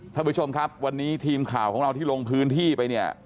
ท่านผู้ชมครับวันนี้ทีมข่าวของเราที่ลงพื้นที่ไปเนี่ย